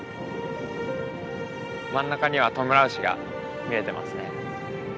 真ん中にはトムラウシが見えてますね。